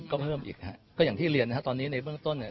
ก็เพิ่มอีกฮะก็อย่างที่เรียนนะฮะตอนนี้ในเบื้องต้นเนี่ย